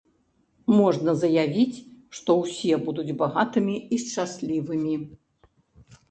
Можна заявіць, што ўсе будуць багатымі і шчаслівымі.